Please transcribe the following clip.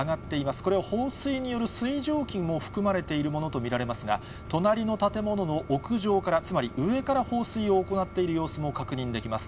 これ、放水による水蒸気も含まれているものと見られますが、隣の建物の屋上から、つまり上から放水を行っている様子も確認できます。